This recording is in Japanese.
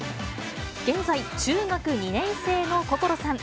現在、中学２年生の心さん。